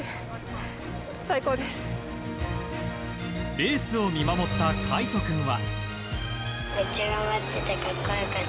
エースを見守った海杜君は。